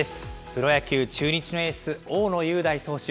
プロ野球・中日のエース、大野雄大投手。